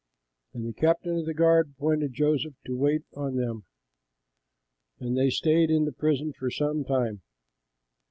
And the captain of the guard appointed Joseph to wait on them; and they stayed in prison for some time.